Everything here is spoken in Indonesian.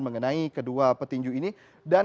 mengenai kedua petinju ini dan